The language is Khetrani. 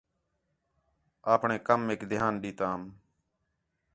اپݨے کمیک دھیان ڈیتام